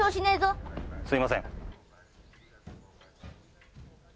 すいません。